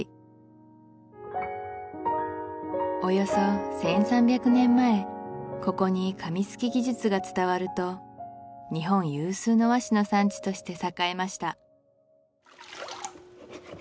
およそ１３００年前ここに紙すき技術が伝わると日本有数の和紙の産地として栄えました